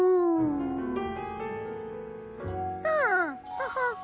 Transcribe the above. アハハハ。